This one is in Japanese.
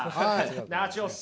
ナチョス。